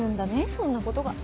そんなことが。